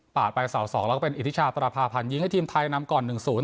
ปาดไปเสาสองแล้วก็เป็นอิทชาปราภาพันธ์ยิงให้ทีมไทยนำก่อนหนึ่งศูนย์